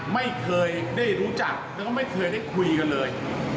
ไม่เคยได้รู้จักแล้วก็ไม่เคยได้คุยกันเลย